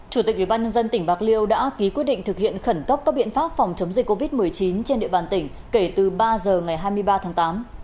chủ tịch ubnd tỉnh bạc liêu đã ký quyết định thực hiện khẩn cấp các biện pháp phòng chống dịch covid một mươi chín trên địa bàn tỉnh kể từ ba giờ ngày hai mươi ba tháng tám